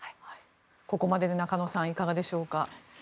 ここまで中野さんいかがでしょうか。